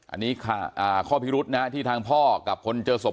อันนี้ข้อพิรุษนะที่ทางพ่อกับคนเจอศพ